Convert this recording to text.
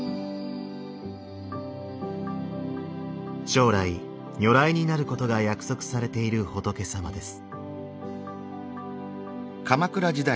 将来如来になることが約束されている仏様です。